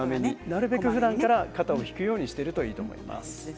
なるべくふだんから肩を引くようにしているといいと思います。